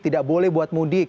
tidak boleh buat mudik